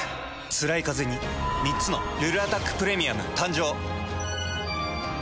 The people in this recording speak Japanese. つらいカゼに３つの「ルルアタックプレミアム」誕生。